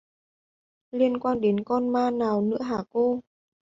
sao liên quan đến con ma nào nữa hả cô